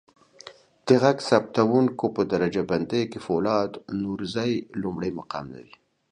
د ږغ ثبتکوونکو په درجه بندی کې فولاد نورزی لمړی مقام لري.